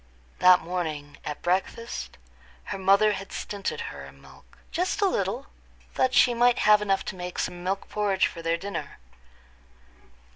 That morning, at breakfast, her mother had stinted her in milk—just a little—that she might have enough to make some milk porridge for their dinner.